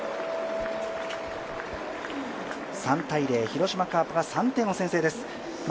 ３−０、広島カープが３点を先制です。